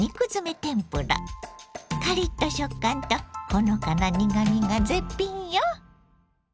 カリッと食感とほのかな苦みが絶品よ。